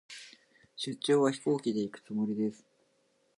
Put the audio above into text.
出張は、飛行機で行くつもりです。